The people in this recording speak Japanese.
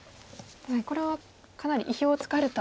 これはかなり意表をつかれた。